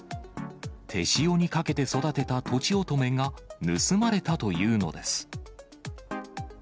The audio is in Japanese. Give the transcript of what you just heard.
手塩にかけて育てたとちおとめが盗まれたというのです。